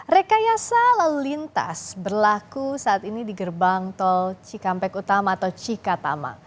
rekayasa lalu lintas berlaku saat ini di gerbang tol cikampek utama atau cikatama